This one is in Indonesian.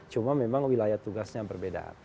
cuma memang wilayah tugasnya berbeda